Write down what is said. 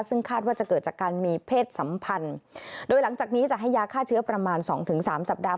ซึ่งคาดว่าจะเกิดจากการมีเพศสัมพันธ์โดยหลังจากนี้จะให้ยาฆ่าเชื้อประมาณสองถึงสามสัปดาห